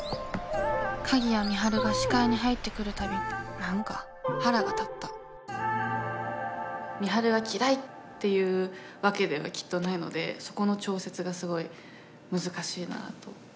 鍵谷美晴が視界に入ってくるたび何か腹が立った美晴が嫌いっていうわけではきっとないのでそこの調節がすごい難しいなと。